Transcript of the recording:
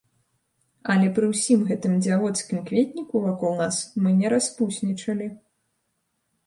Але пры ўсім гэтым дзявоцкім кветніку вакол нас, мы не распуснічалі.